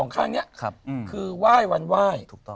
ข้างนี้คือไหว้วันไหว้